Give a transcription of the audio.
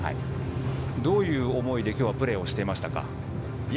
どういう思いできょうはプレーしていましたか？